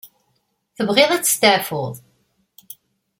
Tebɣiḍ ad testeεfuḍ?